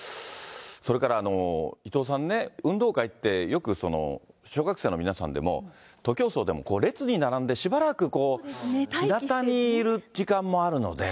それから伊藤さんね、運動会ってよく小学生の皆さんでも、徒競走でも列に並んでしばらく日なたにいる時間もあるので。